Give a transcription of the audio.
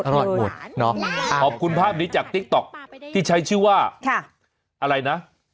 รอดหมดเนาะขอบคุณภาพนี้จากติ๊กต๊อกที่ใช้ชื่อว่าอะไรนะ